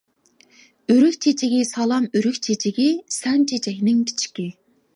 ئۆرۈك چېچىكى سالام ئۆرۈك چېچىكى، سەن چېچەكنىڭ كىچىكى.